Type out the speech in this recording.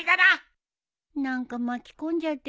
何か巻き込んじゃってごめんね。